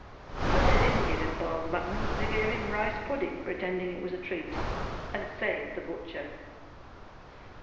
When they didn't give him boiled mutton, they gave him rice pudding, pretending it was a treat. And saved the butcher.